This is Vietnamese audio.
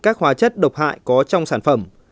các hóa chất độc hại có trong sản phẩm